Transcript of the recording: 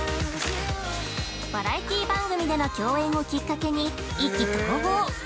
バラエティー番組での共演をきっかけに意気投合。